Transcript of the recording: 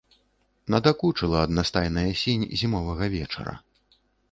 Надакучыла аднастайная сінь зімовага вечара.